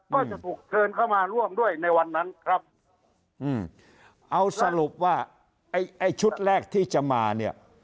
ก็จะถูกเชิญเข้ามาร่วมด้วยในวันนั้นครับอืมเอาสรุปว่าไอ้ไอ้ชุดแรกที่จะมาเนี่ย